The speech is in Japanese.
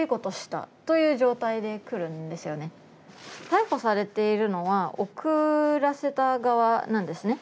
逮捕されているのは送らせた側なんですね。